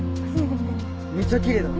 めっちゃきれいだな。